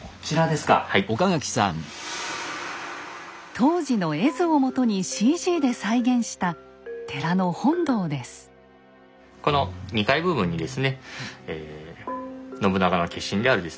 当時の絵図をもとにＣＧで再現した寺の本堂です。